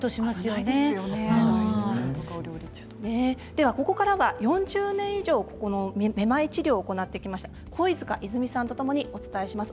ではここからは４０年以上このめまい治療を行ってきました肥塚泉さんと共にお伝えします。